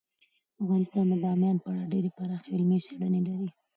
افغانستان د بامیان په اړه ډیرې پراخې او علمي څېړنې لري.